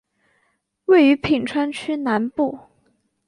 位于品川区南部。